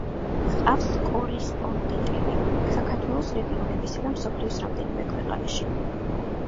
ჰყავს კორესპონდენტები საქართველოს რეგიონებსა და მსოფლიოს რამდენიმე ქვეყანაში.